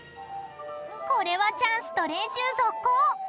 ［これはチャンスと練習続行！］